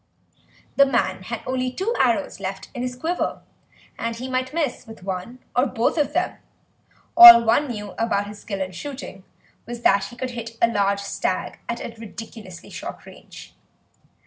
The man had only two arrows left in his quiver, and he might miss with one or both of them; all one knew about his skill in shooting was that he could hit a large stag at a ridiculously short range.